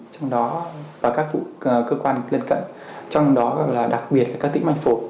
trong đó và các cơ quan lân cận trong đó đặc biệt là các tĩnh mạch phổi